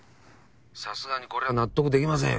さすがにこれは納得できません。